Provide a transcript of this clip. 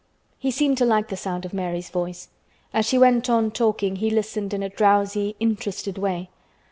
He seemed to like the sound of Mary's voice. As she went on talking he listened in a drowsy, interested way.